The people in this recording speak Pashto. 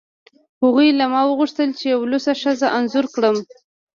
هغوی له ما وغوښتل چې یوه لوڅه ښځه انځور کړم